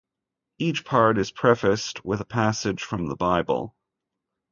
Each part is prefaced with a passage from the Bible.